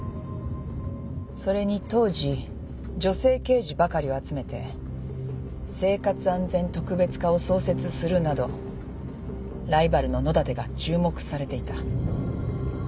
それに当時女性刑事ばかりを集めて生活安全特別課を創設するなどライバルの野立が注目されていた。